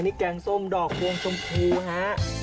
นี่แกงส้มดอกพวงชมพูฮะ